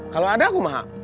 kalau ada aku maha